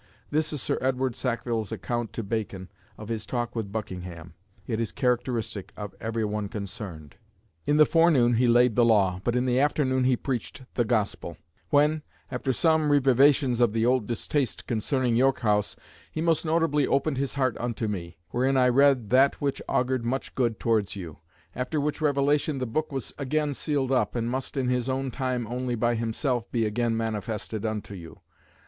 This is Sir Edward Sackville's account to Bacon of his talk with Buckingham; it is characteristic of every one concerned: "In the forenoon he laid the law, but in the afternoon he preached the gospel; when, after some revivations of the old distaste concerning York House, he most nobly opened his heart unto me; wherein I read that which augured much good towards you. After which revelation the book was again sealed up, and must in his own time only by himself be again manifested unto you.